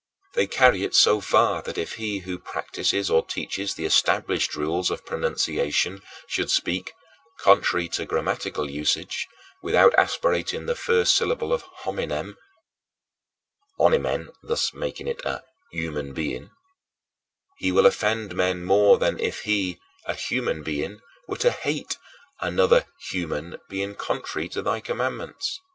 They carry it so far that if he who practices or teaches the established rules of pronunciation should speak (contrary to grammatical usage) without aspirating the first syllable of "hominem" ["ominem," and thus make it "a 'uman being"], he will offend men more than if he, a human being, were to hate another human being contrary to thy commandments.